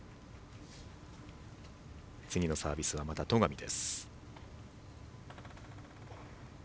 次のサービスはまた戸上です。